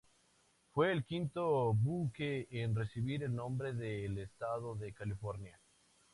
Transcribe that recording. Fue el quinto buque en recibir el nombre del estado de California.